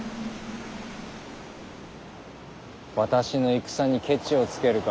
私の戦にケチをつけるか。